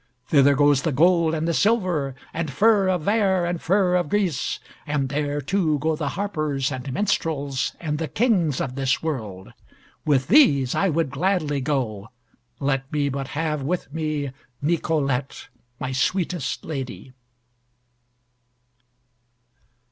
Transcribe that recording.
Thither goes the gold, and the silver, and fur of vair, and fur of gris; and there too go the harpers, and minstrels, and the kings of this world. With these I would gladly go, let me but have with me Nicolette, my sweetest lady."